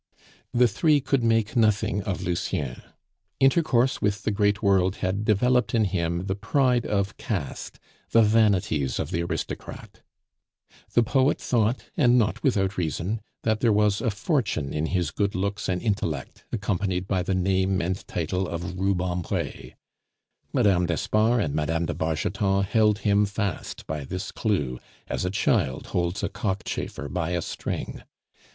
The three could make nothing of Lucien. Intercourse with the great world had developed in him the pride of caste, the vanities of the aristocrat. The poet thought, and not without reason, that there was a fortune in his good looks and intellect, accompanied by the name and title of Rubempre. Mme. d'Espard and Mme. de Bargeton held him fast by this clue, as a child holds a cockchafer by a string.